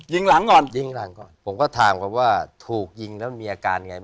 ยิงหลังก่อนยิงหลังก่อนผมก็ถามก่อนว่าถูกยิงแล้วมีอาการไง